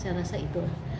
saya rasa itu lah